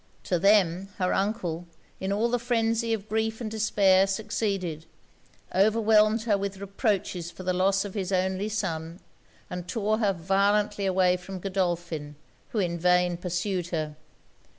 To them, her uncle, in all the phrenzy of grief and despair, succeeded; overwhelmed her with reproaches for the loss of his only son, and tore her violently away from Godolphin, who in vain pursued her.